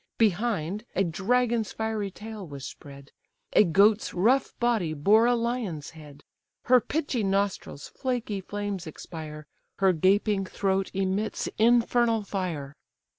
Behind, a dragon's fiery tail was spread; A goat's rough body bore a lion's head; Her pitchy nostrils flaky flames expire; Her gaping throat emits infernal fire.